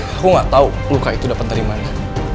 aku gak tau luka itu dapat dari mana